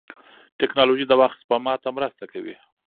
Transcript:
ټکنالوژي د وخت سپما ته مرسته کوي.